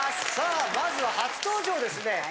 さあまずは初登場ですね